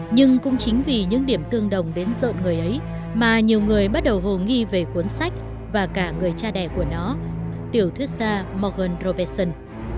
nhưng cũng chính vì những điểm tương đồng đến rợn người ấy mà nhiều người bắt đầu hồ nghi về cuốn sách và cả người cha đẻ của nó tiểu thuyết gia morgan robertson